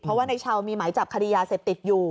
เพราะว่าในเช้ามีหมายจับคดียาเสพติดอยู่